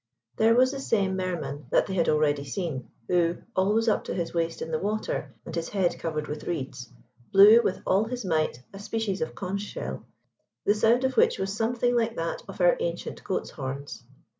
There was the same Mer man that they had already seen, who, always up to his waist in the water, and his head covered with reeds, blew with all his might a species of conch shell, the sound of which was something like that of our ancient goat's horns.